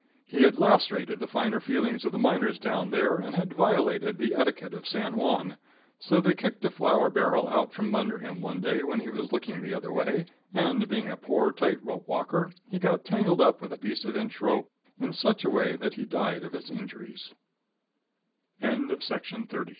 He had lacerated the finer feelings of the miners down there, and had violated the etiquette of San Juan, so they kicked a flour barrel out from under him one day when he was looking the other way, and being a poor tight rope performer, he got tangled up with a piece of inch rope in such a way that he died of his